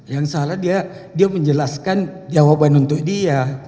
yang salah dia menjelaskan jawaban untuk dia